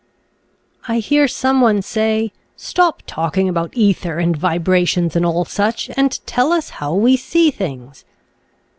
I hear some one say, " Stop talking about ether and vibrations and all such, and tell us how we see things."